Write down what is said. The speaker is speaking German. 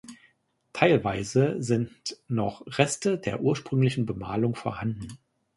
Teilweise sind noch Reste der ursprünglichen Bemalung vorhanden.